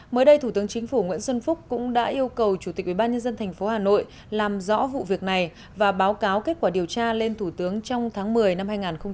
mới đây thủ tướng chính phủ nguyễn xuân phúc cũng đã yêu cầu chủ tịch ubnd tp hà nội làm rõ vụ việc này và báo cáo kết quả điều tra lên thủ tướng trong tháng một mươi năm hai nghìn một mươi chín